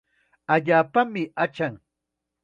Allaapami achan.